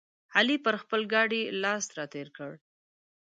علي پر خپل ګاډي لاس راتېر کړ.